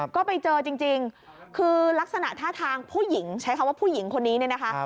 ก็ไปเจอจริงคือลักษณะท่าทางผู้หญิงใช้คำว่าผู้หญิงคนนี้เนี่ยนะคะ